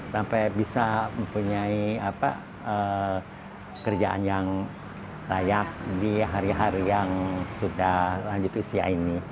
sampai bisa mempunyai kerjaan yang layak di hari hari yang sudah lanjut usia ini